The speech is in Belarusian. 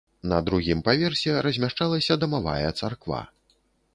На другім паверсе размяшчалася дамавая царква.